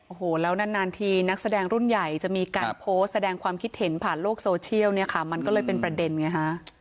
โอ้โหแล้วนานทีนักแสดงรุ่นใหญ่จะมีการโพสต์แสดงความคิดเห็นผ่านโลกโซเชียลเนี่ยค่ะมันก็เลยเป็นประเด็นไงฮะ